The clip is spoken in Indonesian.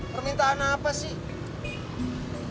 permintaan apa sih